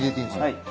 ・はい。